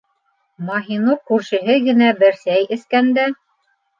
Маһинур күршеһе генә бер сәй эскәндә: